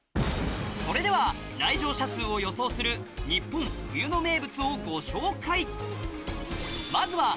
それでは来場者数を予想する日本冬の名物をご紹介